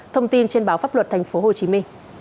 thông tin trên báo pháp luật tp hcm